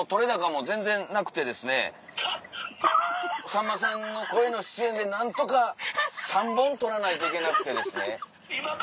さんまさんの声の出演で何とか３本撮らないといけなくてですね。